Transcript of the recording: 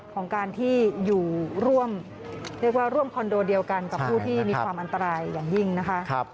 ของการที่อยู่ร่วมเรียกว่าร่วมคอนโดเดียวกันกับผู้ที่มีความอันตรายอย่างยิ่งนะคะ